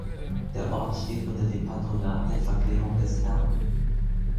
Der Ort steht unter dem Patronat der Verklärung des Herrn.